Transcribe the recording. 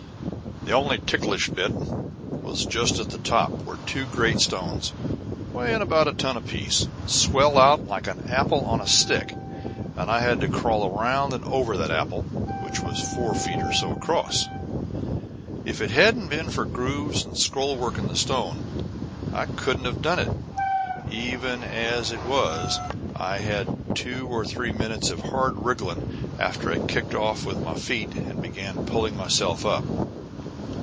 "The only ticklish bit was just at the top, where two great stones, weighing about a ton apiece, swell out like an apple on a stick, and I had to crawl around and over that apple, which was four feet or so across. If it hadn't been for grooves and scrollwork in the stone I couldn't have done it, and even as it was I had two or three minutes of hard wriggling after I kicked off with my feet and began pulling myself up."